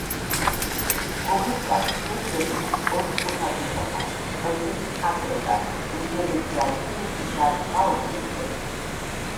გობუსტანის ძეგლები ორ ჯგუფად იყოფა: კლდის მხატვრობა; უძველესი ადგილები და სხვა ობიექტები.